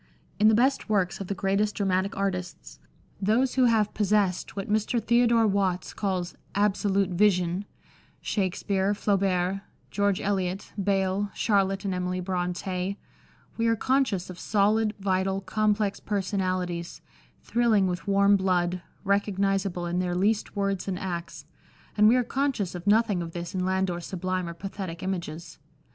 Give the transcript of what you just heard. In the best works of the greatest dramatic artists — those who have possessed what Mr. Theodore Watts calls " absolute vision "— Shakspere, Flaubert, George Eliot, Beyle, Charlotte and Emily Bronte — we are conscious of solid, vital, complex personalities, thrilling with warm blood, recog nisable in their least words and acts, and we are conscious of nothing of this in Landor's sublime or pathetic images.